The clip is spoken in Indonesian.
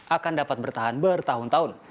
akan dapat bertahan bertahun tahun